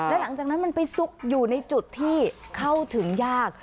และหลังจากนั้นมันไปซุกอยู่ในจุดที่เข้าถึงยาก